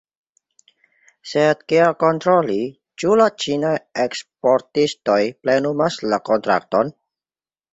Sed kiel kontroli, ĉu la ĉinaj eksportistoj plenumas la kontrakton?